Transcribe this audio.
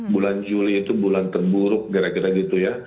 bulan juli itu bulan terburuk gara gara gitu ya